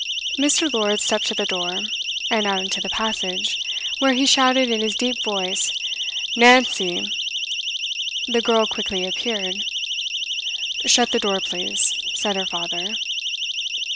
Mr. Lord stepped to the door, and out into the passage, where he shouted in his deep voice 'Nancy!' The girl quickly appeared. 'Shut the door, please,' said her father.